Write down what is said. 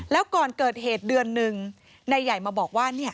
แล้วก่อนเกิดเหตุเดือนหนึ่งนายใหญ่มาบอกว่า